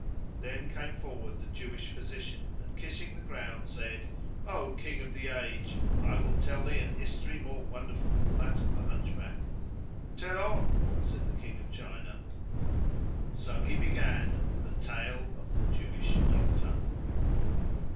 Then came forward the Jewish physician and kissing the ground said, "O King of the age, I will tell thee an history more wonderful than that of the Hunchback." "Tell on," said the King of China; so he began the Tale of the Jewish Doctor.